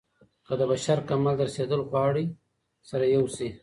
که د بشر کمال ته رسېدل غواړئ سره يو سئ.